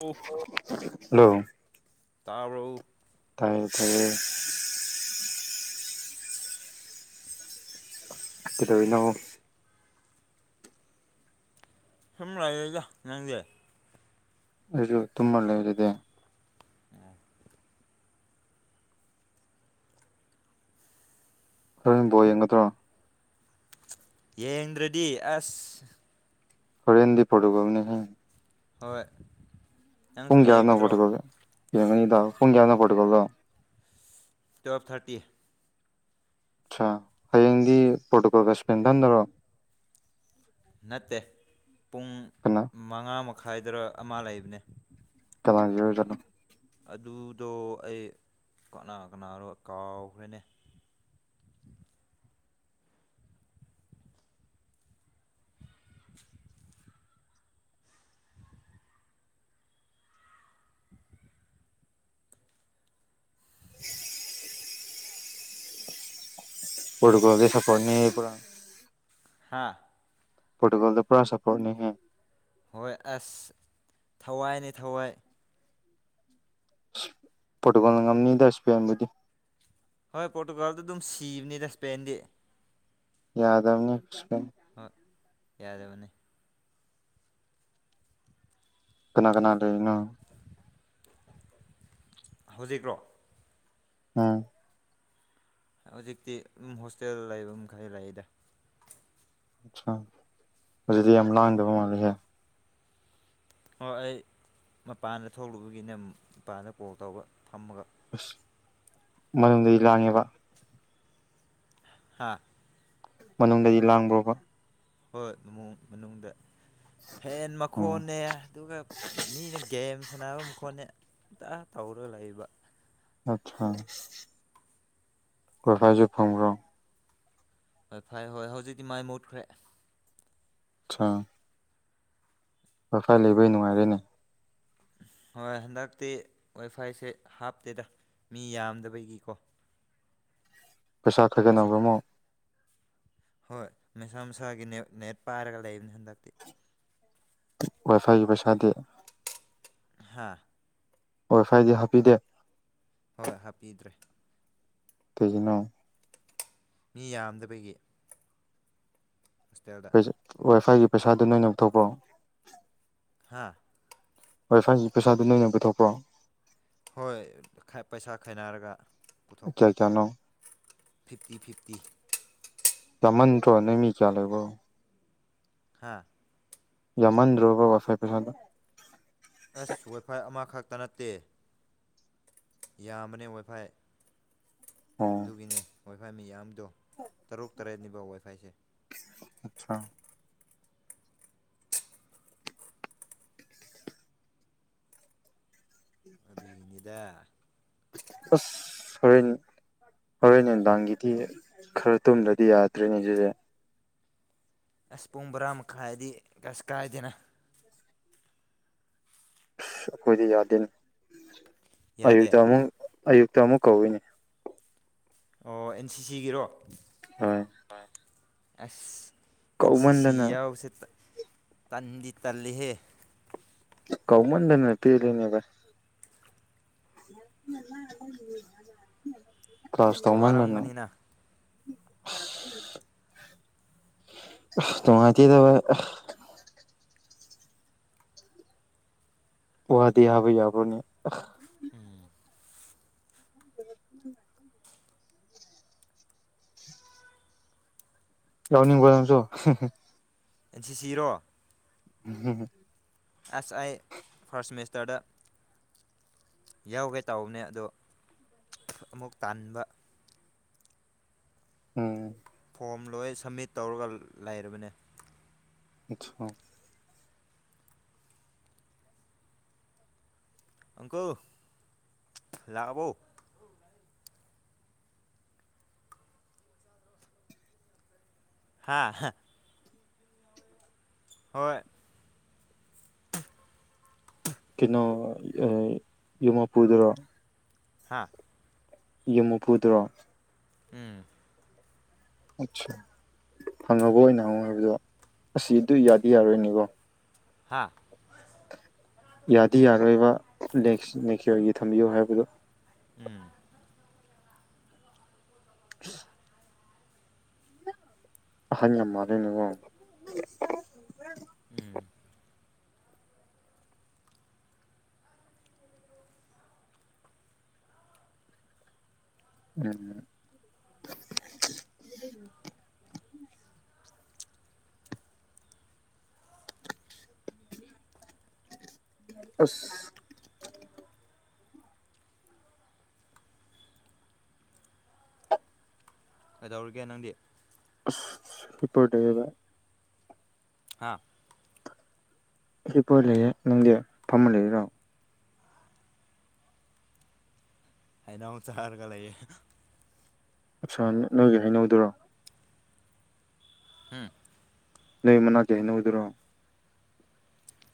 ꯑꯣ ꯍꯂꯣ ꯇꯥꯔꯣ ꯇꯔ ꯐꯔꯦ ꯀꯗ ꯑꯣꯏꯅꯅ ꯁꯨꯝ ꯂꯩꯥꯛꯦꯒ ꯅꯪꯗꯦ ꯏꯁꯨ ꯇꯨꯝꯃ ꯂꯩ ꯂꯩ ꯂꯩꯦ ꯑ [unintelligible] [inaudible] ꯍꯕꯣ ꯌꯦꯡꯒꯠꯇ꯭ꯔꯣ ꯌꯦꯗꯤ ꯑꯁ ꯈꯔꯦꯟ ꯍꯦꯟꯗꯤ ꯐꯣꯇꯣꯒꯝꯅꯤ ꯍꯣꯏ ꯅꯪꯁꯨ ꯄꯨꯡ ꯀꯌꯥꯗꯅ ꯌꯦꯡꯒꯗ꯭ꯔꯣ ꯄꯀꯂꯦ ꯌꯦꯡꯉꯅꯤꯗ ꯄꯨꯡ ꯀꯌꯥꯅ ꯀꯠꯇꯀꯂꯣ ꯇ꯭ꯨꯋꯦꯜꯞ ꯊꯥꯔꯇꯤ ꯑꯆꯥ ꯍꯌꯦꯡꯗꯤ ꯄꯣꯇꯣꯀꯣꯜ ꯀꯁꯄꯦꯟ ꯊ ꯅꯗꯔꯣ ꯅꯠꯇꯦ ꯄꯨꯡ ꯃꯉꯥ ꯃꯈꯥꯏꯗꯔ ꯑꯃ ꯂꯩꯕꯅꯦ ꯀꯃꯥꯡꯒ ꯑꯣꯏꯖꯅꯣ ꯑꯗꯨꯗꯣ ꯑꯩ ꯀꯅꯥ ꯀꯅꯥꯅꯣ ꯀꯥꯎꯈ꯭ꯔꯦꯅꯦ [unintelligible] [inaudible] [unintelligible] [inaudible] ꯄꯣꯔꯒꯒꯤ ꯁꯐꯔꯅꯤ ꯄꯨꯔꯥ ꯍꯥꯥ [unintelligible] [inaudible] ꯄ꯭ꯔꯣꯇꯨꯒꯣꯜꯗ ꯄꯨꯔꯥ ꯁꯄꯣꯔꯠꯅꯤ ꯍꯥꯏ ꯍꯣꯏ ꯑꯁ ꯊꯋꯥꯏꯅꯦ ꯊꯋꯥꯏ ꯐꯣꯇꯣꯀꯣꯜꯝꯅꯤꯗꯁꯤꯄꯤꯕꯨꯗꯤ ꯍꯣꯏ ꯄꯣꯔꯇꯨꯒꯥꯜꯗ ꯑꯗꯨꯝ ꯁꯤꯕꯅꯤꯗ ꯏꯁꯄꯦꯟꯗꯤ ꯌꯥꯗꯕꯅꯤ ꯍꯣꯏ ꯌꯥꯗꯕꯅꯤ ꯀꯅꯥ ꯀꯅꯥ ꯂꯩꯅꯣ ꯍꯧꯖꯤꯛꯔꯣ ꯑꯝ ꯍꯧꯖꯤꯛꯇꯤ ꯍꯣꯁꯇꯦꯜ ꯂꯩꯕ ꯈꯔ ꯂꯩꯗ ꯑꯖꯤꯗꯤ ꯑꯝ ꯂꯗꯕꯔꯤ ꯍꯥꯏ ꯑꯣ ꯑꯩ ꯃꯄꯥꯟꯗ ꯊꯣꯛꯂꯨꯕꯒꯤꯅꯦ ꯃꯄꯥꯟꯗ ꯀꯣꯜ ꯇꯧꯕ ꯊꯝꯃꯒ ꯑꯁ ꯃꯔ ꯂꯥꯡꯉꯦꯕ ꯍꯥ ꯃꯅꯨꯡꯗꯗꯤ ꯂꯥꯡꯕ꯭ꯔꯣꯕ ꯍꯣꯏꯃ ꯃꯅꯨꯡꯗꯗ ꯐꯦꯟ ꯎꯝ ꯃꯈꯣꯟꯅꯦ ꯑꯗꯨꯒ ꯃꯤꯅ ꯒꯦꯝꯁ ꯁꯥꯟꯅꯕ ꯈꯣꯠꯅꯦ ꯑꯝꯇ ꯇꯧꯔ ꯂꯩꯕ ꯑꯆꯥ ꯀꯣꯏꯈꯥꯏꯁꯨ ꯐꯪꯕ꯭ꯔꯣ ꯍꯣꯏ ꯐꯣꯏ ꯍꯣꯏ ꯍꯧꯖꯤꯛꯇꯤ ꯃꯥꯏ ꯃꯨꯠꯈ꯭ꯔꯦ ꯑꯆꯥꯥ ꯋꯥꯐꯥꯏ ꯂꯩꯕꯩ ꯅꯨꯡꯉꯥꯏꯔꯦꯅꯦ ꯍꯣꯏ ꯍꯟꯗꯛꯇꯤ ꯋꯥꯏꯐꯥꯏꯁꯦ ꯍꯥꯞꯇꯦꯗ ꯃꯤ ꯌꯥꯝꯗꯕꯒꯤꯀꯣ ꯄꯩꯁꯥ ꯃꯁꯥ ꯈꯒꯅꯪꯕ ꯑꯃꯣ ꯍꯣꯏ ꯃꯁꯥ ꯃꯁꯥꯒꯤ ꯅꯠ ꯅꯦꯠ ꯄꯥꯏꯔꯒ ꯂꯩꯕꯅꯤ ꯍꯟꯗꯛꯇꯤ ꯋꯥꯏ ꯐꯥꯏꯒꯤ ꯄꯩꯁꯥꯗꯤ ꯍꯥꯥ ꯋꯥꯏ ꯐꯥꯏꯗꯤꯦ ꯍꯥꯞꯄꯤꯗꯦ ꯍꯣꯏ ꯍꯥꯞꯄꯤꯗ꯭ꯔꯦ ꯀꯖꯅꯣ ꯃꯤ ꯌꯥꯝꯗꯕꯒꯤ ꯍꯣꯁꯇꯦꯜꯗ ꯋꯥꯏꯐꯥꯏꯒꯤ ꯄꯩꯁꯥꯗꯨ ꯅꯣꯏꯅ ꯑꯃꯊꯄ꯭ꯔꯣꯑꯣ ꯍꯥꯥ ꯍꯣꯏ ꯐꯥꯏꯁꯤ ꯄꯩꯁꯥꯗꯨ ꯅꯣꯏꯅ ꯄꯨꯊꯣꯛꯄ꯭ꯔꯣ ꯍꯣꯏ ꯄꯩꯁꯥ ꯈꯥꯏꯅꯔꯒ ꯀꯌꯥ ꯀꯌꯥꯅꯣ ꯐꯤꯞꯇꯤ ꯐꯤꯞꯇꯤ ꯃꯟꯇ꯭ꯔ ꯅꯃꯤ ꯀ ꯂꯩꯦꯕꯣ ꯍꯥꯥ ꯌꯥꯃꯟꯗ꯭ꯔꯣꯒ ꯀꯁꯥꯏ ꯄꯩꯁꯥꯗ ꯑꯁ ꯋꯥꯏꯐꯥꯏ ꯑꯃꯈꯛ ꯛꯇ ꯅꯠꯇꯦ ꯌꯥꯝꯕꯅꯦ ꯋꯥꯏꯐꯥꯏ ꯑꯣ ꯑꯗꯨꯒꯤꯅꯤ ꯋꯥꯣꯏꯈꯣꯏ ꯃꯤ ꯌꯥꯝ ꯣ ꯇꯔꯨꯛ ꯇꯔꯦꯠꯅꯤꯕ ꯋꯥꯏ ꯐꯥꯏꯁꯦ ꯑꯠꯆꯥ ꯑꯗꯨꯒꯤꯅꯤꯗ ꯑꯁ ꯍꯣꯔꯦꯟ ꯍꯣꯔꯦꯟ ꯑꯦꯟꯕꯥꯡꯒꯤꯗꯤ ꯈꯔ ꯇꯨꯝꯗꯗꯤ ꯌꯥꯗ꯭ꯔꯔꯤꯅꯦ ꯁꯤꯁꯦ ꯑꯁ ꯄꯨꯡ ꯕꯣꯔꯥ ꯃꯈꯥꯏꯗꯤ ꯀꯁ ꯀꯥꯏꯗꯅ ꯑꯁ ꯑꯩꯈꯣꯏꯗꯤ ꯌꯥꯗꯦꯅꯤ ꯌꯥꯗꯦ ꯑꯌꯨꯛꯇ ꯑꯃꯨꯛ ꯑꯌꯨꯛꯇ ꯑꯃꯨꯛ ꯀꯧꯏꯅꯦ ꯑꯣ ꯑꯦꯟ ꯁꯤ ꯁꯤꯒꯤꯔꯣ ꯍꯣꯏ ꯑꯁ ꯑꯦꯟ ꯁꯤ ꯁꯤ ꯀꯧꯃꯟꯗꯅ ꯌꯥꯎꯕꯁꯦ ꯇꯟꯗꯤ ꯇꯜꯂꯤꯍꯦ ꯀꯧꯃꯟꯗꯅꯦ ꯄꯤꯂꯤꯅꯦꯚꯥꯏ ꯀ꯭ꯂꯥꯁ ꯇꯧꯃꯜꯗꯅꯣ ꯋꯥꯔꯝꯒꯅꯤꯅ [inaudible] ꯑ ꯇꯃꯇꯤꯗꯕ ꯋꯥꯗꯤ ꯌꯥꯕꯣꯏ ꯌꯥꯕꯣꯏꯅꯤ ꯎꯝ ꯌꯥꯎꯅꯤꯡꯣꯝꯁꯨꯣ ꯁꯤ ꯁꯤꯔꯣ ꯎꯝ ꯑꯦꯁ ꯑꯥꯏ ꯐꯁ ꯁꯃꯁꯇꯔꯗ ꯌꯥꯎꯒꯦ ꯇꯥꯎꯅꯦ ꯑꯗꯣ ꯑꯃꯨꯛ ꯇꯥꯟꯕ ꯎꯝ ꯐꯣꯝ ꯂꯣꯏ ꯁꯝꯃꯤꯠ ꯇꯧꯔꯒ ꯂꯩꯔꯕꯅꯦ ꯑꯆꯥꯣ ꯑꯪꯀꯣ ꯂꯥꯛꯕꯣ ꯍꯥꯥ ꯍꯣꯏ [inaudible] ꯀꯩꯅꯣ ꯌꯨꯝ ꯃꯥꯄꯨꯗꯨꯔꯣ ꯍꯥꯥ ꯌꯨꯝ ꯃꯨꯐꯨꯗ꯭ꯔꯣ ꯎꯝ ꯑꯆꯥ ꯍꯪꯉꯕ ꯑꯣꯏꯅ ꯍꯪꯉꯣ ꯍꯥꯏꯕꯗꯣ ꯑꯁꯤ ꯑꯗꯨ ꯌꯥꯗꯤ ꯌꯥꯔꯣꯏꯅꯤꯀꯣ ꯍꯥꯥ ꯌꯥꯗꯤ ꯌꯥꯔꯣꯏꯕ ꯅꯦꯛꯀꯤꯌꯣꯒꯤ ꯊꯝꯕꯤꯌꯨ ꯍꯥꯏꯕꯗꯨ ꯎꯝ [inaudible] ꯑꯍ ꯌꯥꯝ ꯃꯥꯗ ꯅꯉꯣ ꯎꯝ ꯎꯝ ꯑꯁ ꯀꯩꯗꯧꯔꯒꯦ ꯅꯪꯗꯤ ꯍꯄꯗꯚ ꯍꯥꯥ ꯑꯩꯄꯣꯏ ꯂꯩꯌꯦ ꯅꯪꯒꯤ ꯐꯝꯃ ꯂꯩꯔꯤꯔꯣ ꯍꯥꯏꯅ ꯑ ꯆ ꯑꯔꯀ ꯂꯩ ꯑꯠꯁ ꯅꯣꯏꯒꯤ ꯍꯩꯅꯧꯗꯨꯔꯣ ꯎꯝ ꯂꯩ ꯃꯅꯥꯇꯅ ꯎꯗꯔꯣ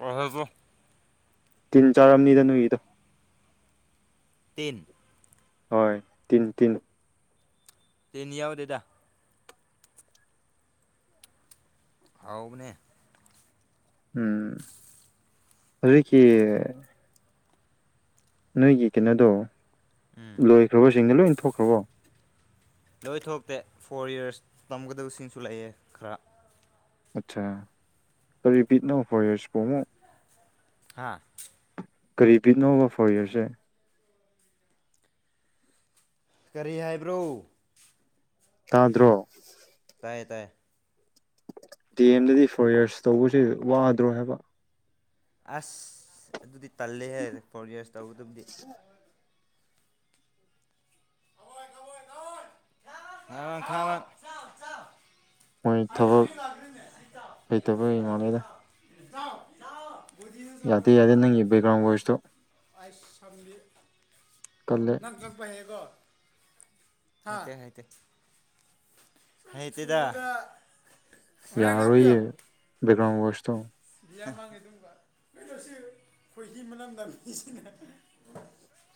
ꯑ ꯍꯗ ꯇꯤꯟ ꯆꯥꯔ ꯑꯅꯤꯗ ꯅꯨꯏꯗ ꯇꯤꯟ ꯍꯣꯏ ꯇꯤꯟ ꯇꯤꯟ ꯇꯅꯤ ꯌꯥꯕꯗꯦꯗꯥ ꯑꯥꯎꯕꯅꯦ ꯎꯝ ꯍꯧꯖꯤꯀꯤ ꯅꯣꯏꯒꯤ ꯀꯩꯅꯣꯗꯣ ꯎꯝ ꯂꯣꯏꯈ꯭ꯔꯕꯁꯤꯡꯗ ꯂꯣꯏ ꯊꯣꯛꯈ꯭ꯔꯕꯣ ꯂꯣꯏ ꯊꯣꯛꯇꯦ ꯐꯣꯔ ꯌꯔꯁ ꯇꯝꯒꯗꯕꯁꯤꯡꯁꯨ ꯂꯩꯑꯦ ꯈꯔ ꯑꯠꯆꯥꯥ ꯔꯤꯄꯤꯠ ꯅꯧ ꯐꯣꯔ ꯏꯔꯁ ꯐꯣ ꯑꯃꯨꯛ ꯍꯥꯥ ꯀꯔꯤ ꯄꯤꯅꯣꯕ ꯐꯣꯔ ꯌꯌꯔꯁꯦ ꯀꯔꯤ ꯍꯥꯏꯕ꯭ꯔꯣ ꯇꯥꯗ꯭ꯔꯣ ꯇꯥꯏꯌꯦ ꯇꯥꯏꯌꯦ ꯗꯤ ꯑꯦꯝꯗꯗꯤ ꯐꯣꯔ ꯌꯔꯁ ꯇꯧꯕꯁꯤ ꯋꯥꯗ꯭ꯔꯣ ꯍꯥꯏꯕ ꯑꯁ ꯑꯗꯨꯗꯤ ꯇꯜꯂꯦ ꯍꯥꯏꯔꯦ ꯐꯣꯔ ꯌꯔꯁ ꯇꯧꯕꯗꯕꯨꯗꯤ ꯑ ꯃꯣꯏ ꯊꯕꯛ ꯊꯥ ꯂꯩꯇꯕꯒꯤ ꯐꯥꯏ ꯃꯥꯜꯂꯦꯗ ꯂ ꯌꯥꯗꯦ ꯌꯥꯗꯦ ꯅꯪꯒꯤ ꯕꯦꯛꯒ꯭ꯔꯥꯎꯟ ꯣꯏꯁꯇꯣ ꯑꯩꯁ ꯁꯝꯕꯤ ꯀꯜꯂꯦ ꯅꯪ ꯀꯛꯄ ꯍꯥꯏꯌꯦꯀꯣ ꯍꯥꯏ ꯍꯥꯏ ꯍ ꯇꯗ ꯌꯥꯔꯣꯏꯌꯦ ꯕꯒ꯭ꯔꯝ ꯒꯣꯁꯇꯣ ꯌꯥ ꯃꯉꯩ ꯑꯗꯨꯝꯕ ꯀꯂꯣ ꯁꯤꯦ ꯀꯣꯏꯍꯤ ꯃꯅꯨꯡꯝꯗꯥꯥꯡꯁꯤꯅ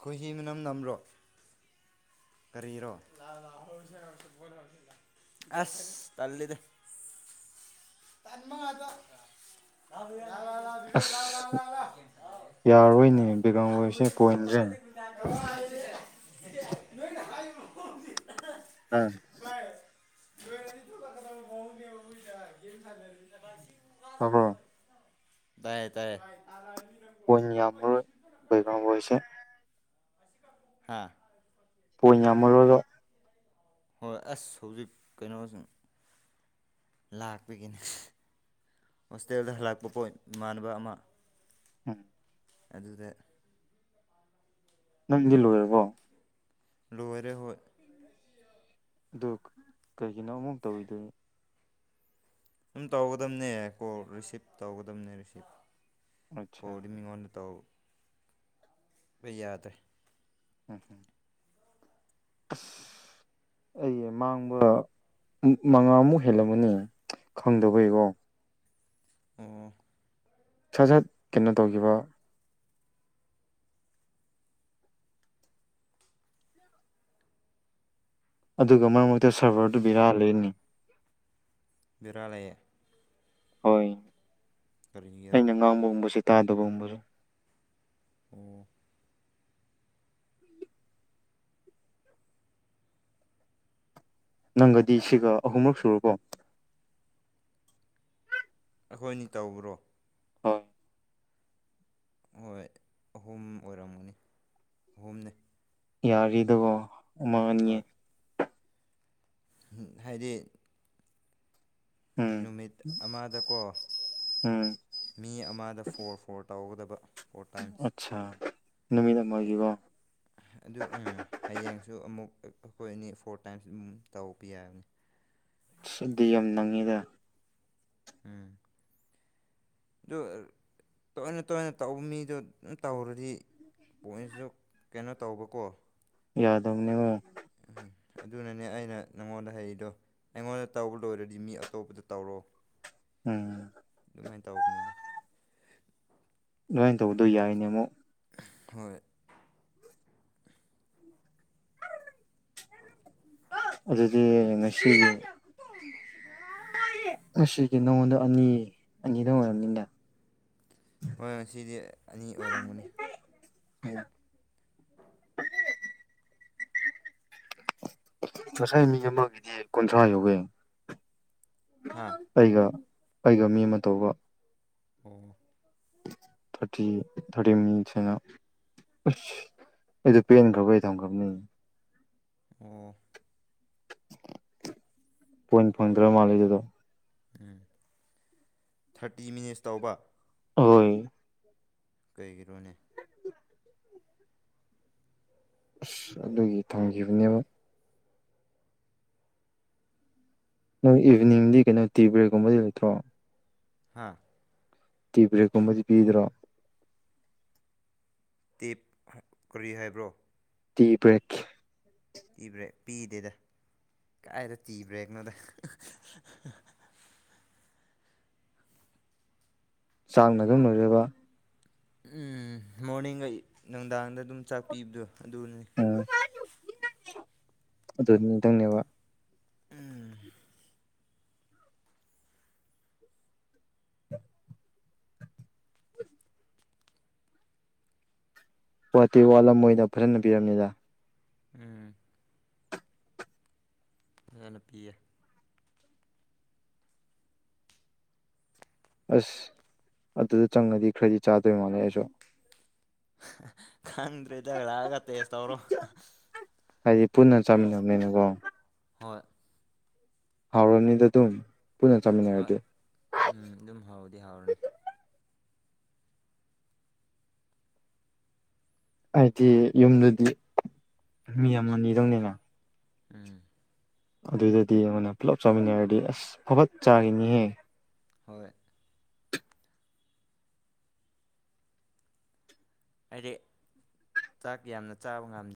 ꯈꯣꯏꯍꯤꯤ ꯃꯅꯝ ꯅꯝ꯭ꯔꯣ [unintelligible] ꯀꯔꯤꯔꯣ ꯑꯁ ꯇꯂꯜꯂꯤꯗ [unintelligible] ꯇꯟꯃ ꯑꯁ ꯌꯥꯔꯣꯏꯅꯦ ꯌꯥꯝ ꯕꯤꯒ꯭ꯔꯝꯒꯣꯏꯁꯦ ꯂꯣꯏꯅ ꯄꯣꯏꯟꯁꯦ ꯄꯤꯊꯣꯛꯂꯛꯀꯗꯤ ꯅꯣꯏꯅ ꯍꯥꯏꯔꯤꯕ ꯃꯑꯣꯡꯁꯤ ꯑꯝ ꯅꯤ ꯇ ꯀꯣꯡ ꯌꯦ ꯑ ꯍꯣ ꯇꯥꯏꯌꯦꯦ ꯇꯥꯏꯌꯦ ꯅꯪꯕꯣ ꯄꯣꯏꯟ ꯑꯣꯏ ꯌꯥꯝꯔ ꯕꯒꯝꯕꯁꯦ ꯍꯥꯥ ꯄꯣꯏ ꯌꯥꯝꯝꯔꯣꯏꯣ ꯍꯣꯏ ꯑꯁ ꯍꯧꯖꯤꯛ ꯀꯩꯅꯣ ꯂꯥꯛꯄꯒꯤꯅꯤ ꯍꯣꯁꯇꯦꯜꯗ ꯍꯜꯂꯥꯛꯄ ꯄꯣꯠ ꯏꯃꯥꯟꯅꯕ ꯑꯃ ꯎꯝ ꯑꯗꯨꯗ ꯅꯪꯗꯤꯜ ꯂꯨꯔꯕꯣ ꯂꯣꯏꯔꯦ ꯍ ꯑꯗꯨ ꯀꯩꯒꯤꯅꯣ ꯑꯃꯨꯛ ꯇꯧꯋꯗꯣꯏ ꯁꯝ ꯇꯧꯒꯗꯝꯕꯅꯦ ꯀꯣ ꯔꯤꯁꯤꯞ ꯇꯧꯒꯗꯝꯕꯅꯦ ꯔꯤꯁꯤꯞ ꯑꯠꯆꯥ ꯀꯗꯤꯃꯤꯉꯣꯅ ꯇꯎ ꯑꯩ ꯌꯥꯗ꯭ꯔꯦ ꯎꯝ ꯍꯝ ꯑꯁ ꯑꯩ ꯃꯥꯡꯕ ꯃꯉꯥꯃꯨꯛ ꯍꯦꯜꯂꯝꯃꯅꯤ ꯈꯪꯗꯕꯩꯔꯣ ꯑꯣ ꯁꯠ ꯁꯠ ꯀꯅꯣ ꯇꯧꯈꯤꯕ ꯑꯗꯨꯒ ꯃꯔꯛ ꯃꯔꯛꯇ ꯁꯔꯚꯔꯗꯨ ꯕꯤꯔꯥꯂꯅꯤ ꯔꯂꯦ ꯍꯣꯏ ꯑꯩ ꯀꯔꯤꯒꯤꯔꯣ ꯑꯒꯥꯥꯡ ꯑꯃꯕꯝꯕꯁꯥꯦ ꯇꯥꯗꯕꯨꯝꯕꯔꯥ ꯑꯣ ꯅꯪꯒꯗꯤ ꯁꯤꯒ ꯑꯍꯨꯝꯔꯛ ꯁꯨꯔꯣꯀꯣ ꯑꯩꯈꯣꯏꯅꯤ ꯇꯧꯕ꯭ꯔꯣ ꯍꯣꯏ ꯍꯣꯏ ꯑꯍꯨꯝ ꯑꯣꯏꯔꯝꯒꯅꯤ ꯑꯍꯨꯝꯅꯦ ꯌꯥꯔꯤꯗꯕꯣ ꯃ ꯃꯟꯉꯦ ꯍꯣꯏ ꯍꯥꯏꯗꯤ ꯎꯝ ꯅꯨꯃꯤꯠ ꯑꯃꯗꯀꯣ ꯎꯝ ꯃꯤ ꯑꯃꯗ ꯐꯣꯔ ꯐꯣꯔ ꯇꯧꯒꯗꯕ ꯐꯣꯔ ꯇꯥꯏꯝꯁ ꯑꯆꯥ ꯑꯗꯨ ꯍꯌꯦꯡꯁꯨ ꯑꯃꯨꯛ ꯑꯩꯈꯣꯏ ꯑꯦꯅꯤ ꯐꯣꯔ ꯇꯥꯏꯝꯁ ꯑꯗꯨꯝ ꯇꯧꯕꯄ ꯌꯥꯕꯅꯤ ꯁꯗꯤ ꯌꯥꯝ ꯅꯪꯉꯤꯗ ꯎꯝ ꯑꯗꯨ ꯇꯣꯏꯅ ꯇꯣꯏꯅ ꯇꯧꯕ ꯃꯤꯗꯣ ꯑꯗꯨꯝ ꯇꯧꯔꯗꯤ ꯄꯣꯏꯟꯁꯨ ꯀꯩꯅꯣ ꯇꯧꯕꯀꯣ ꯌꯥꯗꯕꯅꯦꯉꯣ ꯑꯗꯨꯅꯅꯦ ꯑꯩꯅ ꯅꯪꯉꯣꯟꯗ ꯍꯩꯔꯤꯗꯣ ꯑꯩꯉꯣꯟꯗ ꯇꯧꯕ ꯂꯣꯏꯔꯗꯤ ꯃꯤ ꯑꯇꯣꯞꯄꯗ ꯇꯧꯔꯣ ꯎꯝ ꯁꯨꯃꯥꯏꯅ ꯇꯧꯕꯅꯤꯅ ꯂꯃꯥꯏꯅ ꯇꯧꯗꯣꯏ ꯌꯥꯏꯅꯦ ꯑꯃꯨꯛ ꯍꯣꯏ ꯑꯗꯨꯗꯤ ꯉꯁꯤ ꯉꯁꯤꯒꯤ ꯅꯉꯣꯟꯗ ꯑꯅꯤ ꯑꯅꯤꯗ ꯑꯣꯏꯔꯕꯅꯤꯗ ꯍꯣꯏ ꯉꯁꯤꯗꯤ ꯑꯅꯤ ꯑꯣꯏꯔꯝꯒꯅꯤ ꯍ ꯉꯁꯥꯏ ꯃꯤ ꯑꯃꯒꯤꯗꯤ ꯀꯨꯟꯊ꯭ꯔꯥ ꯌꯧꯋꯦ ꯍꯥ ꯑꯩꯒ ꯑꯩꯒ ꯃꯤ ꯑꯃ ꯇꯧꯕ ꯑꯣ ꯊꯥꯇ ꯊꯥꯔ ꯃꯤꯁꯅ ꯑꯩꯗ ꯄꯦꯟꯈ꯭ꯔꯕ ꯑꯩ ꯊꯝꯈ꯭ꯔꯕꯅꯤ ꯑꯣ ꯄꯣꯏꯟ ꯐꯟꯗ꯭ꯔ ꯃꯥ ꯂꯩꯒꯗꯣ ꯎꯝ ꯊꯥꯔꯇꯤ ꯃꯤꯅꯤꯠꯁ ꯇꯧꯕ ꯍꯣꯏ ꯀꯩꯒꯤꯔꯣꯅꯤ ꯑꯁ ꯑꯗꯨꯒꯤ ꯊꯝꯈꯤꯕꯅꯦꯕ ꯅꯪ ꯏꯚꯤꯅꯤꯡꯗꯤ ꯀꯩꯅꯣ ꯇꯤ ꯕ꯭ꯔꯦꯛꯀꯨꯝꯕꯗꯤ ꯂꯩꯇ꯭ꯔꯣ ꯍꯥꯥ ꯇꯤ ꯕ꯭ꯔꯦꯛꯀꯨꯝꯕꯗꯤ ꯄꯤꯗ꯭ꯔꯣ ꯇꯦꯞ ꯀꯔꯤ ꯍꯥꯏꯕ꯭ꯔꯣ ꯇꯤꯕ꯭ꯔꯦꯛꯦꯛ ꯄꯤꯕ꯭ꯔꯦ ꯄꯤꯗꯦꯗ ꯀꯥꯏꯗ ꯇꯤꯕ꯭ꯔꯦꯛꯅꯣꯗ ꯆꯥꯡꯅꯅꯥ ꯑꯗꯨꯝꯅꯣꯏꯖꯕ ꯎꯝ ꯃꯣꯔꯅꯤꯡꯒ ꯅꯨꯡꯗꯥꯡꯗ ꯑꯗꯨꯝ ꯆꯥꯛ ꯄꯤꯕꯗꯣ ꯑꯗꯨꯅꯤ ꯑꯗꯨꯅꯤꯇꯪꯅꯦꯕ ꯎꯝ [unintelligible] ꯋꯥꯇꯦ ꯋꯥꯠꯂꯝꯃꯣꯏꯗ ꯐꯖꯅ ꯄꯤꯔꯕꯝꯅꯤꯗ ꯎꯝ ꯐꯖꯅ ꯄꯤꯌꯦ ꯑꯁ ꯑꯗꯨꯗ ꯆꯪꯉꯗꯤ ꯈꯔꯗꯤ ꯆꯥꯗꯣꯏ ꯃꯥꯜꯂꯦ ꯑꯩꯁꯨ ꯈꯟ꯭ꯔꯔꯤꯗꯂꯒ ꯇꯁ ꯇꯧꯔꯣ ꯍꯥꯏꯗꯤ ꯄꯨꯟꯅ ꯆꯥꯃꯤꯟꯅꯕꯅꯤꯅꯀꯣ ꯍꯣꯏ ꯍꯥꯎꯔꯅꯤꯗ ꯑꯗꯨꯝ ꯄꯨꯟꯅ ꯍꯣꯏ ꯆꯥꯃꯤꯟꯅꯔꯗꯤ ꯎꯝ ꯑꯗꯨꯝ ꯍꯥꯎꯔꯗꯤ ꯍꯥꯎꯔꯅꯤ ꯑꯩꯗꯤ ꯌꯨꯝꯗꯨꯗꯤ ꯃꯤ ꯑꯃꯅꯤ ꯑꯅꯤꯗꯧꯅꯤꯅ ꯎꯝ ꯑꯗꯨꯗꯗꯤ ꯑꯩꯉꯣꯟꯅ ꯄꯨꯂꯞ ꯆꯥꯃꯤꯟꯅꯔꯗꯤ ꯑꯁ ꯐꯐꯠ ꯆꯥꯈꯤꯅꯤꯍꯦ ꯍꯣꯏ ꯑꯩꯗꯤ ꯆꯥꯛ ꯌꯥꯝꯅ ꯆꯥꯕ ꯉꯝꯗꯦ